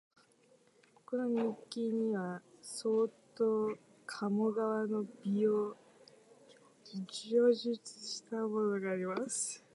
この日記には、相当鴨川の美を叙述したものがあります